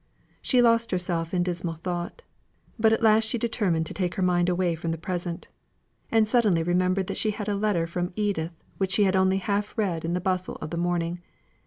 She lost herself in dismal thought: but at last she determined to take her mind away from the present; and suddenly remembered that she had a letter from Edith which she had only half read in the bustle of the morning.